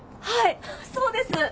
はいそうです！